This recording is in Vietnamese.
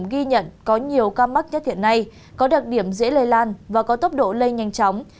ghi nhận có nhiều ca mắc nhất hiện nay có đặc điểm dễ lây lan và có tốc độ lây nhanh chóng